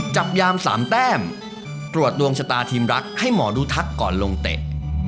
จับยาม๓แต้มตรวจดวงชะตาทีมรักให้หมอดูทักก่อนลงเตะ